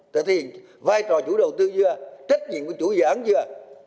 thế thì vai trò chủ đầu tư chưa trách nhiệm của chủ dự án chưa